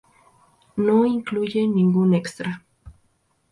No incluye ningún extra.